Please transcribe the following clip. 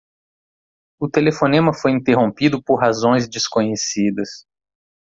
O telefonema foi interrompido por razões desconhecidas.